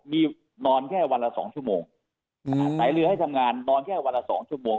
มีนอนแค่วันละสองชั่วโมงสายเรือให้ทำงานนอนแค่วันละสองชั่วโมง